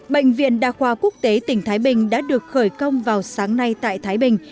bệnh viện đa khoa quốc tế tỉnh thái bình đã được khởi công vào sáng nay tại thái bình